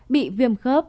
bị viêm khớp